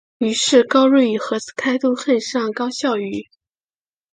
于是高睿与和士开都恨上高孝瑜。